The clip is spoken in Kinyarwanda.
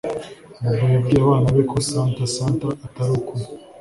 Bobo yabwiye abana be ko Santa Santa atari ukuri